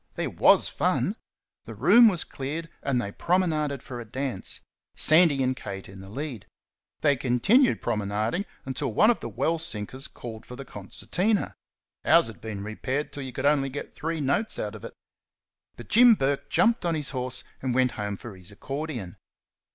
there WAS fun! The room was cleared and they promenaded for a dance Sandy and Kate in the lead. They continued promenading until one of the well sinkers called for the concertina ours had been repaired till you could get only three notes out of it; but Jim Burke jumped on his horse and went home for his accordion.